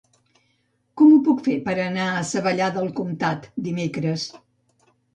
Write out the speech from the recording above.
Com ho puc fer per anar a Savallà del Comtat dimecres?